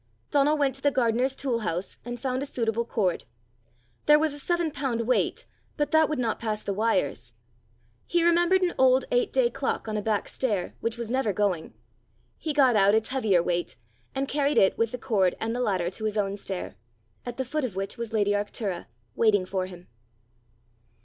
Donal went to the gardener's tool house, and found a suitable cord. There was a seven pound weight, but that would not pass the wires! He remembered an old eight day clock on a back stair, which was never going. He got out its heavier weight, and carried it, with the cord and the ladder, to his own stair at the foot of which was lady Arctura waiting for him.